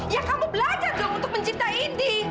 ya kamu belajar dong untuk mencintai indi